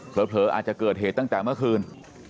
เผลออาจจะเกิดเหตุตั้งแต่เมื่อคืน